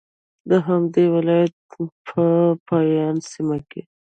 د همدې ولایت په بایان سیمه کې